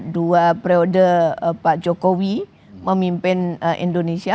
dua periode pak jokowi memimpin indonesia